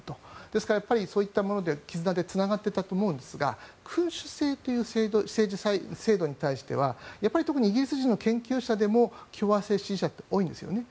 ですからそういったもので、絆でつながっていたと思うんですが君主制という政治制度に対してはやっぱり特にイギリス人の研究者でも共和制支持者って多いんですね。